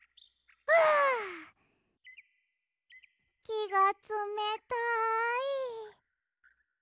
きがつめたい！